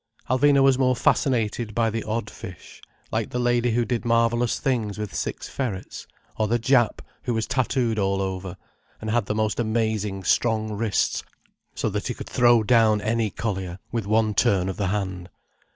Alvina was more fascinated by the odd fish: like the lady who did marvellous things with six ferrets, or the Jap who was tattooed all over, and had the most amazing strong wrists, so that he could throw down any collier, with one turn of the hand.